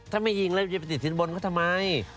ถ้าไม่ยิงแล้วจะไปติดสินบนเขาทำไม